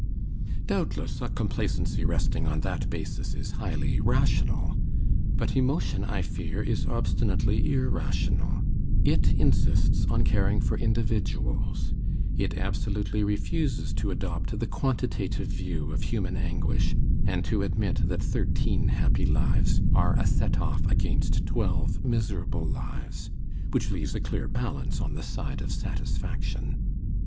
Doubtless a complacency resting on that basis is highly rational; but emotion, I fear, is obstinately irrational: it insists on caring for individuals; it absolutely refuses to adopt the quantitative view of human anguish, and to admit that thirteen happy lives are a set off against twelve miserable lives, which leaves a clear balance on the side of satisfaction.